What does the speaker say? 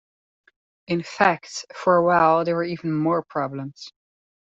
In fact, for a while there were even more problems.